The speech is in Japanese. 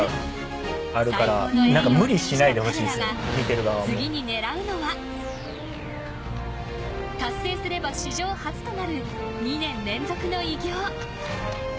最高の栄誉を手にした彼らが次に狙うのは達成すれば史上初となる２年連続の偉業。